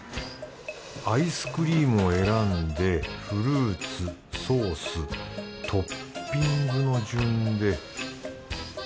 アイスクリームを選んでフルーツソーストッピングの順で。